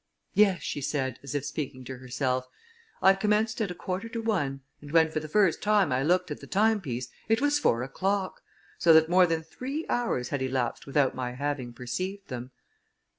"Yes," she said, as if speaking to herself, "I commenced at a quarter to one, and when, for the first time, I looked at the timepiece, it was four o'clock; so that more than three hours had elapsed without my having perceived them."